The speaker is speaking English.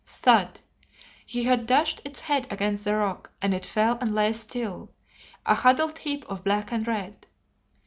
Thud! He had dashed its head against the rock, and it fell and lay still, a huddled heap of black and red.